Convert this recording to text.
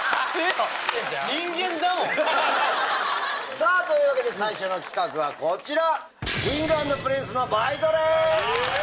さぁというわけで最初の企画はこちら！